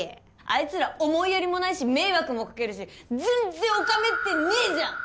あいつら思いやりもないし迷惑もかけるし全然おかめってねえじゃん！